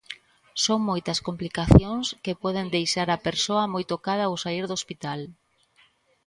Son moitas complicacións que poden deixar a persoa moi tocada ao saír do hospital.